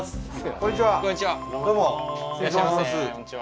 こんにちは。